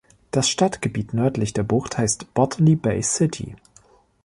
Das Stadtgebiet nördlich der Bucht heißt Botany Bay City.